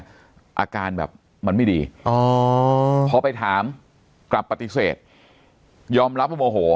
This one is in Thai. อาการแบบมันไม่ดีอ๋อพอไปถามกลับปฏิเสธยอมรับว่าโมโห